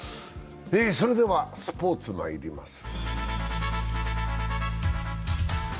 それではスポーツまいります。